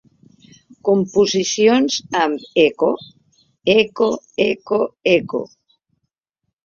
Composicions amb eco —eco eco eco...